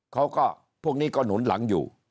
เขาก็พวกนี้ก็หนุ่นหลังอยู่